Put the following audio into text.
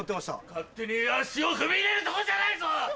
勝手に足を踏み入れるとこじゃないぞ！